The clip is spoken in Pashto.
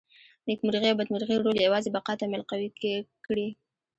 نېکمرغي او بدمرغي رول یوازې بقا ته میل قوي کړي.